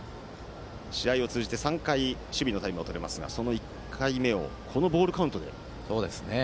試合を通じて３回守備のタイムを取れますがその１回目をこのボールカウントで取りました。